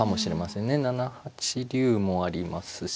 ７八竜もありますし。